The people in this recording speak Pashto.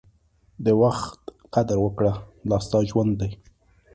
د وخت قدر وکړه، دا ستا ژوند دی.